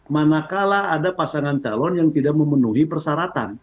manakala ada pasangan calon yang tidak memenuhi persyaratan